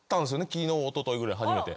昨日おとといぐらい初めて。